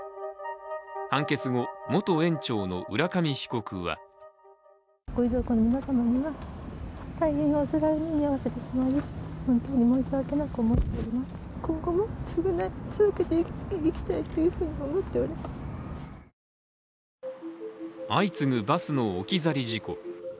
判決後、元園長の浦上被告は相次ぐバスの置き去り事故。